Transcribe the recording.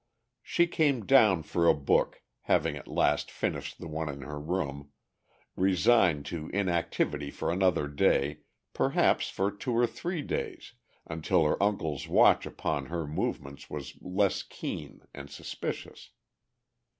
She came down stairs for a book, having at last finished the one in her room, resigned to inactivity for another day, perhaps for two or three days, until her uncle's watch upon her movements was less keen and suspicious.